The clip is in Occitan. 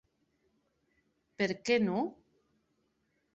Per qué non?